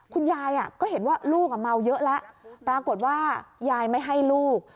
คุณยายก็เห็นว่าลูกเมาเยอะแล้วปรากฏว่ายายไม่ให้ลูก